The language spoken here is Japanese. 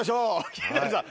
桐谷さん